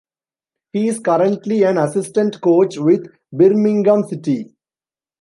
He is currently an assistant coach with Birmingham City.